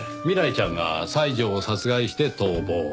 未来ちゃんが西條を殺害して逃亡。